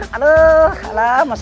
aku tidak mau